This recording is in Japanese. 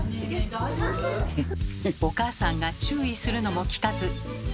お母さんが注意するのも聞かず。